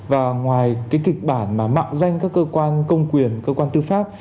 và ngoài kịch bản mạng danh các cơ quan công quyền cơ quan tư pháp